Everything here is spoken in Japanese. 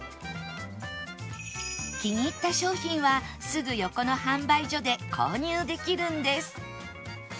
気に入った商品はすぐ横の販売所で購入できるんです